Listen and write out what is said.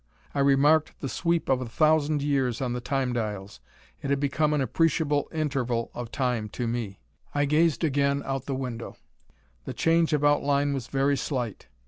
I remarked the sweep of a thousand years on the Time dials. It had become an appreciable interval of Time to me. I gazed again out the window. The change of outline was very slight.